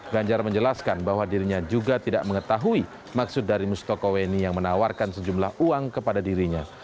ganjar menjelaskan bahwa dirinya juga tidak mengetahui maksud dari mustoko weni yang menawarkan sejumlah uang kepada dirinya